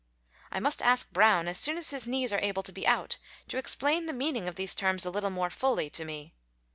I must ask Brown, as soon as his knees are able to be out, to explain the meaning of these terms a little more fully to me.